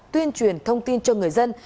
tuyên truyền thông tin cho người dân